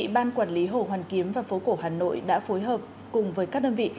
ban quản lý hồ hoàn kiếm và phố cổ hà nội đã phối hợp cùng với các đơn vị